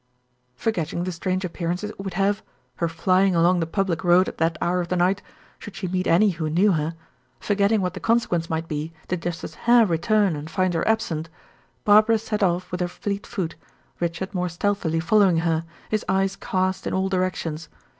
Forgetting the strange appearances it would have her flying along the public road at that hour of the night should she meet any who knew her forgetting what the consequence might be, did Justice Hare return and find her absent, Barbara set off with a fleet foot, Richard more stealthily following her his eyes cast in all directions.